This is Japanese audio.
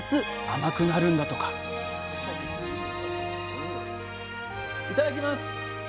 甘くなるんだとかいただきます。